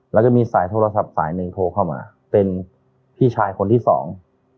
แล้วก็มีสายโทรศัพท์สายหนึ่งโทรเข้ามาเป็นพี่ชายคนที่สอง